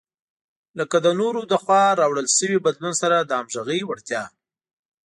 لکه له نورو لخوا راوړل شوي بدلون سره د همغږۍ وړتیا.